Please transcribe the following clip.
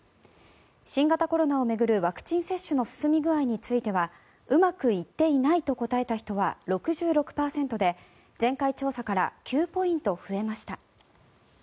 新型コロナを巡るワクチン接種の進み具合についてはうまくいっていないと答えた人は６６％で前回調査から９ポイント増えました。